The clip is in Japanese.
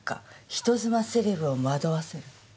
人妻セレブを惑わせる」。